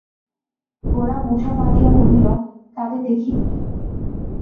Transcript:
গোরা মুঠা বাঁধিয়া কহিল, তাদের দেখিয়ে দিতে হবে।